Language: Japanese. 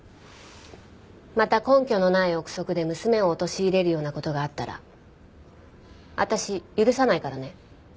また根拠のない臆測で娘を陥れるような事があったら私許さないからね。